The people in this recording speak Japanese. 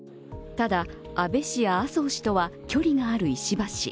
ただ、安倍氏や麻生氏とは距離がある石破氏。